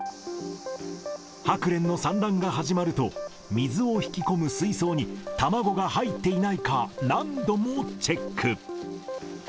ハクレンの産卵が始まると、水を引き込む水槽に卵が入っていないか、何度もチェック。